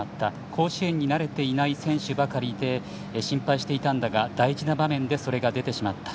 甲子園に慣れていない選手ばかりで心配していたんだが大事な場面でそれが出てしまった。